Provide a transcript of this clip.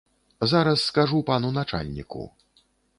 Зараз скажу пану начальніку.